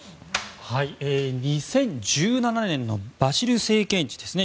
２０１７年のバシル政権時ですね。